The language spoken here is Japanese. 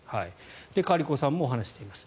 カリコさんも話しています。